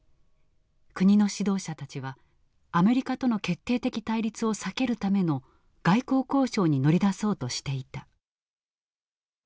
国の指導者たちはアメリカとの決定的対立を避けるための外交交渉に乗り出そうとしていた。